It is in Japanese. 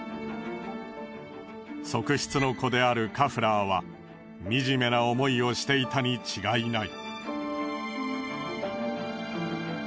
側室の子であるカフラーは惨めな思いをしていたに違いない。